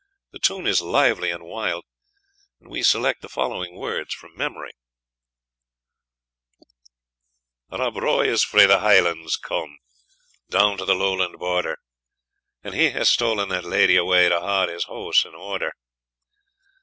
The tune is lively and wild, and we select the following words from memory: Rob Roy is frae the Hielands come, Down to the Lowland border; And he has stolen that lady away, To haud his house in order.